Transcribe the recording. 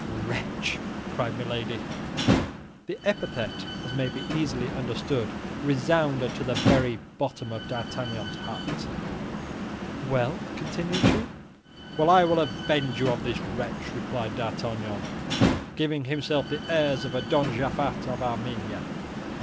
"Wretch!" cried Milady. The epithet, as may be easily understood, resounded to the very bottom of D'Artagnan's heart. "Well?" continued she. "Well, I will avenge you of this wretch," replied D'Artagnan, giving himself the airs of Don Japhet of Armenia.